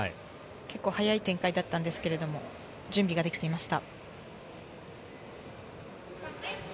早い展開だったんですけれども、準備ができていました。